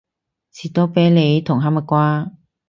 士多啤梨同哈蜜瓜